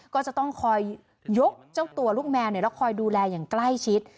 ก็จะต้องคอยยกเจ้าตัวลูกแมวแล้วคอยดูแลอย่างใกล้ชิด